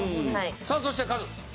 さあそしてカズ。